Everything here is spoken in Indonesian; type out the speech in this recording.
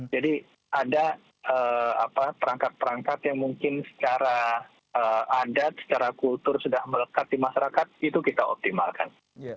jadi ada perangkat perangkat yang mungkin secara adat secara kultur sudah melekat di masyarakat itu kita optimalkan